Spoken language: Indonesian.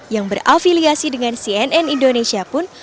yang berafiliasi dengan cnn indonesia pun